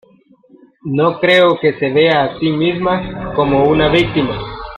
No creo que se vea a sí misma como una víctima.